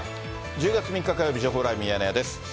１０月３日火曜日、情報ライブミヤネ屋です。